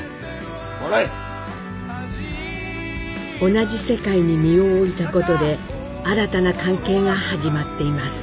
同じ世界に身を置いたことで新たな関係が始まっています。